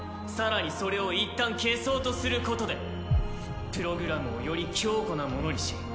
更にそれをいったん消そうとすることでプログラムをより強固なものにし